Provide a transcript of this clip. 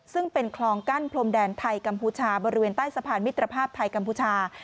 ซึ่งเป็นคลองกั้นพรมแดนไทยกัมพูชาบริเวณใต้สะพานมิตรภาพไทยกัมพูชา